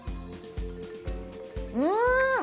うん！